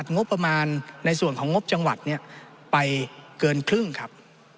ในส่วนของงบจังหวัดไปเกินครึ่งครับ